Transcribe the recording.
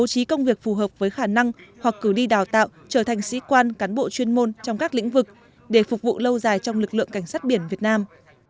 hoặc với khả năng hoặc cứ đi đào tạo trở thành sĩ quan cán bộ chuyên môn trong các lĩnh vực để phục vụ lâu dài trong lực lượng cảnh sát biển việt nam